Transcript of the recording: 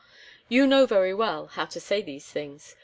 You know very well how to say these things.